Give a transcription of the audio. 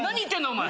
お前。